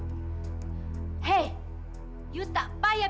sehingga suami anda mati